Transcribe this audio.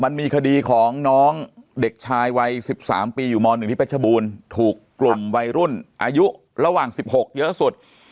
มันมีคดีของน้องเด็กชายวัย๑๓ปีอยู่ม๑ที่เพชรบูรณ์ถูกกลุ่มวัยรุ่นอายุระหว่าง๑๖เยอะสุด